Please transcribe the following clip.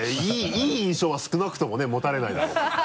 いい印象は少なくともねもたれないだろうから。